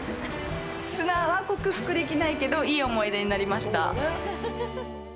砂は克服できないけどいい思い出になりました。